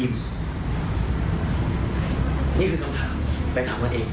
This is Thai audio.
นี่คือกำถามเป็นคำว่าเอง